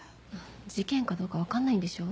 事件かどうか分かんないんでしょ？